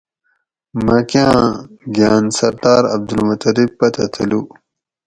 مکہ آں گھاۤن سردار عبدالمطلب پتہ تلو